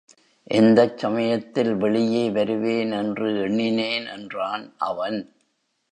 எந்தச் சமயத்தில் வெளியே வருவேன், என்று எண்ணினேன் என்றான் அவன்.